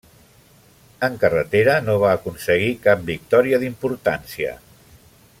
En carretera no va aconseguir cap victòria d'importància.